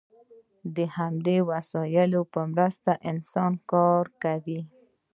د همدې وسایلو په مرسته انسانانو کار کاوه.